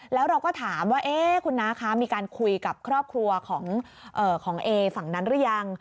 แล้วเราก็ถามว่าคุณน้าคะมีการคุยกับครอบครัวของเอฝั่งนั้นหรือยัง